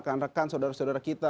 rekan rekan saudara saudara kita